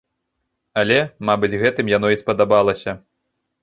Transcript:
Але, мабыць гэтым яно і спадабалася.